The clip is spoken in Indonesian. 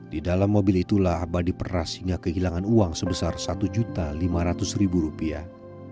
di dalam mobil itulah abah diperas hingga kehilangan uang sebesar satu juta lima ratus ribu rupiah